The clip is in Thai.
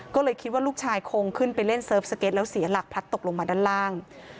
ก็เลยคิดว่าลูกชายคงขึ้นไปเล่นเซิร์ฟสเก็ตแล้วเสียหลักพลัดตกลงมาด้านล่าง